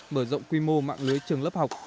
mở rộng quy mô mạng lưới trường lớp học